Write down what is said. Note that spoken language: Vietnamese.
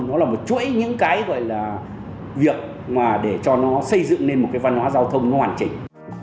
nó là một chuỗi những cái gọi là việc mà để cho nó xây dựng nên một cái văn hóa giao thông nó hoàn chỉnh